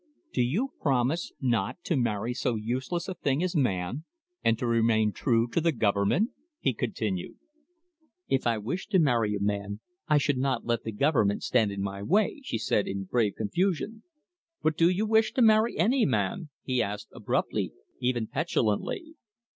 "Do you promise not to marry so useless a thing as man, and to remain true to the government?" he continued. "If I wished to marry a man, I should not let the government stand in my way," she said, in brave confusion. "But do you wish to marry any man?" he asked abruptly, even petulantly.